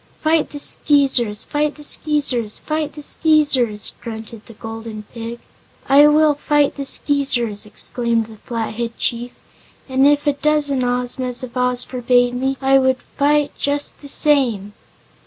"Fight the Skeezers, fight the Skeezers, fight the Skeezers!" grunted the Golden Pig. "I will fight the Skeezers," exclaimed the Flathead chief, "and if a dozen Ozmas of Oz forbade me I would fight just the same."